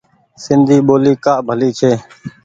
سندي ٻولي ڪآ ڀلي ڇي۔